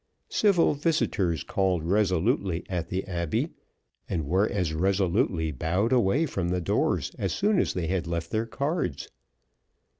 Civil visitors called resolutely at the Abbey, and were as resolutely bowed away from the doors as soon as they had left their cards.